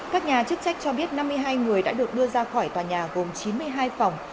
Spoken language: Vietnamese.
các nhà chức trách cho biết năm mươi hai người đã được đưa ra khỏi tòa nhà gồm chín mươi hai phòng